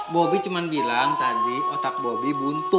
bobby cuma bilang tadi otak bobi buntu